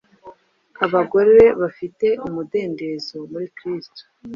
abagore bafite umudendezo muri Kristo,